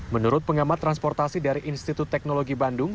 menurut pengamat transportasi dari institut teknologi bandung